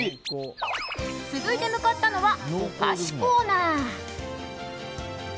続いて向かったのはお菓子コーナー。